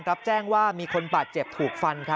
รับแจ้งว่ามีคนบาดเจ็บถูกฟัน